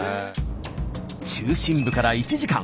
中心部から１時間。